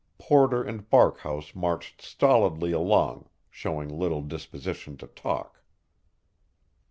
Porter and Barkhouse marched stolidly along, showing little disposition to talk.